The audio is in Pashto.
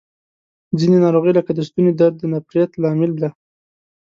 ځینې ناروغۍ لکه د ستوني درد د نفریت لامل دي.